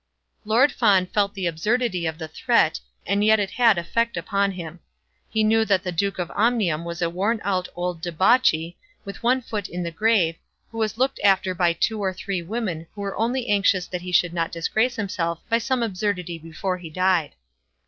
Lord Fawn felt the absurdity of the threat, and yet it had effect upon him. He knew that the Duke of Omnium was a worn out old debauchee, with one foot in the grave, who was looked after by two or three women who were only anxious that he should not disgrace himself by some absurdity before he died.